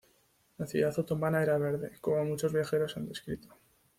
La ciudad otomana era verde, como muchos viajeros han descrito.